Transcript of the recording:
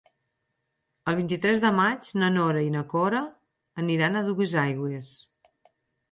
El vint-i-tres de maig na Nora i na Cora aniran a Duesaigües.